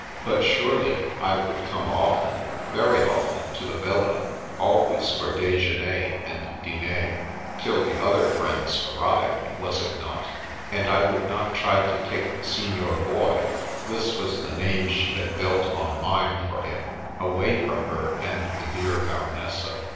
But surely, I would come often, very often to the villa — ^always for dejeuner and diner, till the other friends arrived, was it not ? And I would not try to take Signor Boy (this was the name she had built on mine for him) away from her and the dear Baronessa